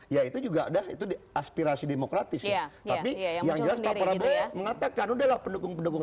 yaitu juga udah itu di aspirasi demokratis ya tapi yang jelas mengatakan adalah pendukung pendukung